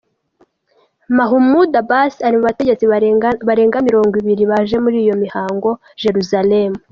Mahmoud Abbas ari mu bategetsi barenga mirongo ibiri baje muri iyo mihango I Jerusalem.